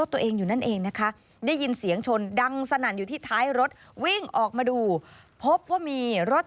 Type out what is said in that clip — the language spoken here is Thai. ตัวเองอยู่นั่นเองนะคะได้ยินเสียงชนดังสนั่นอยู่ที่ท้ายรถวิ่งออกมาดูพบว่ามีรถ